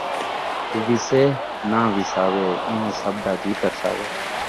وسّے نان وساوے ، این٘ویں سب دا جی ترساوے